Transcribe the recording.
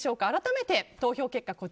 改めて投票結果